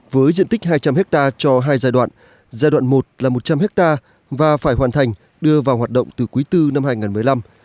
với diện tích hai trăm linh hectare cho hai giai đoạn giai đoạn một là một trăm linh hectare và phải hoàn thành đưa vào hoạt động từ quý bốn năm hai nghìn một mươi năm